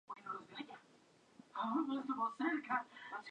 Digno de mencionar que Florencio De Diego lo considera su grupo favorito.